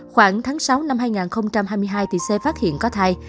khoảng tháng sáu năm hai nghìn hai mươi hai c phát hiện có thai